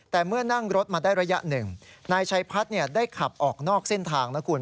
แต่เมื่อนั่งรถมาได้ระยะหนึ่งนายชัยพัฒน์ได้ขับออกนอกเส้นทางนะคุณ